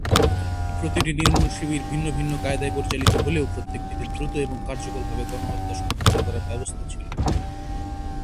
প্রতিটি নির্মূল শিবির ভিন্ন ভিন্ন কায়দায় পরিচালিত হলেও প্রত্যেকটিতে দ্রুত এবং কার্যকরভাবে গণহত্যা সংঘটিত করার ব্যবস্থা ছিল।